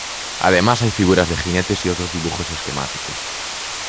Además hay figuras de jinetes y otros dibujos esquemáticos.